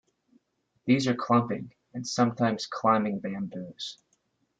These are clumping, and sometimes climbing bamboos.